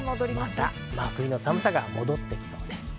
真冬の寒さが戻ってきそうです。